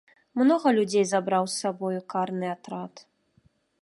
Многа людзей забраў з сабою карны атрад.